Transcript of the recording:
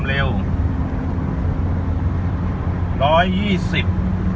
เร็วร้อยยี่สิบ